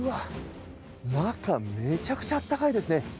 中、めちゃくちゃ暖かいですね。